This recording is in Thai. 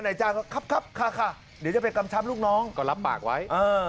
นายจ้างก็ครับค่ะเดี๋ยวจะไปกำชับลูกน้องก็รับปากไว้